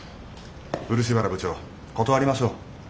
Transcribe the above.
漆原部長断りましょう。